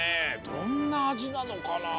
どんなあじなのかなあ？